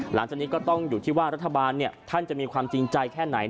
หลังจากนี้ก็ต้องอยู่ที่ว่ารัฐบาลท่านจะมีความจริงใจแค่ไหน